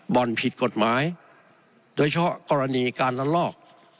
ผิดกฎหมายโดยเฉพาะกรณีการละลอก